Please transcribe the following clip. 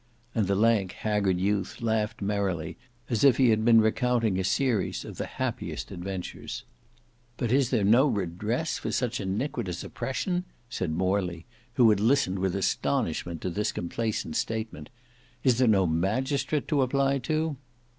And the lank, haggard youth laughed merrily, as if he had been recounting a series of the happiest adventures. "But is there no redress for such iniquitous oppression," said Morley, who had listened with astonishment to this complacent statement. "Is there no magistrate to apply to?"